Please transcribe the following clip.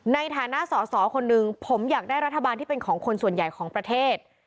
ในฐานะสอสอคนหนึ่งผมอยากได้รัฐบาลที่เป็นของคนส่วนใหญ่ของประเทศ